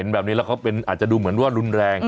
แบบนี้แล้วเขาอาจจะดูเหมือนว่ารุนแรง